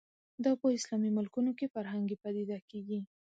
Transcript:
دا په اسلامي ملکونو کې فرهنګي پدیده کېږي